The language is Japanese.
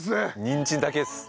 にんじんだけです。